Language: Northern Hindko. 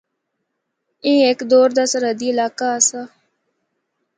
اے ہک دور دا سرحدی علاقہ آسا۔